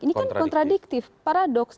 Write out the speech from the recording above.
ini kan kontradiktif paradoks